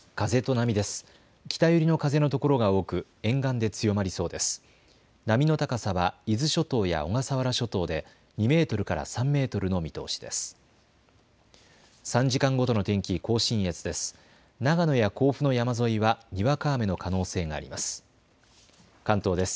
波の高さは伊豆諸島や小笠原諸島で２メートルから３メートルの見通しです。